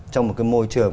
trong một môi trường